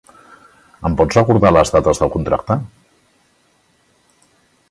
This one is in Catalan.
Em pots recordar les dates del contracte?